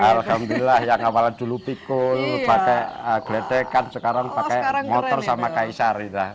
alhamdulillah yang awalnya dulu pikul pakai geledekan sekarang pakai motor sama kaisar